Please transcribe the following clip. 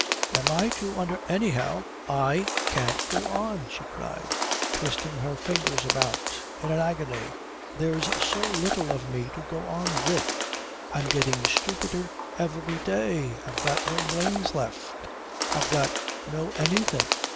"Am I to under " "Anyhow I can't go on," she cried, twisting her fingers about in an agony. "There's so little of me to go on with. I'm getting stupider every day. I've got no brains left. I've got no anything.